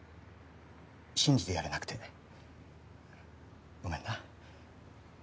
信じてやれなくてごめんな。